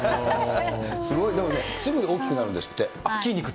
すごい、すぐに大きくなるん筋肉って？